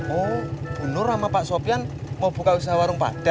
oh bu nur sama pak sofian mau buka usaha warung padang